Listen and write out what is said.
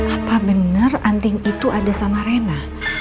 apa benar anting itu ada sama rena